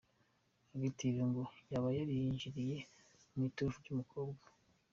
Active ngo yaba yarinjiriye ku iturufu y’umukobwa.